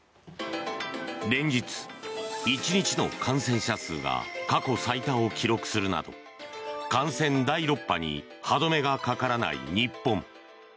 連日、１日の感染者数が過去最多を記録するなど感染、第６波に歯止めがかからない日本。